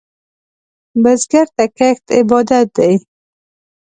بزګر ته کښت عبادت دی